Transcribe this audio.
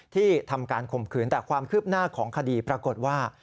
ที่ทำการข่มขืนแต่ความคืบหน้าของคดีปรากฏว่า